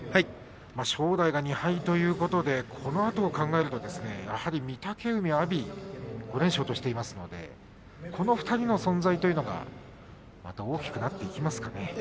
正代が２敗ということでこのあとを考えると御嶽海に阿炎５連勝としていますのでこの２人の存在というのが大きくなっていきますかね。